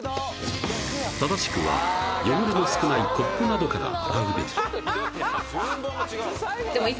正しくは汚れの少ないコップなどから洗うべきははははっ